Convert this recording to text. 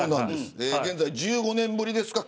現在１５年ぶりですか。